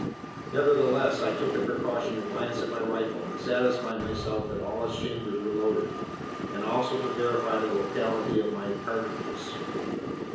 Nevertheless, I took the precaution to glance at my rifle, and satisfy myself that all its chambers were loaded, and also to verify the locality of my cartridges.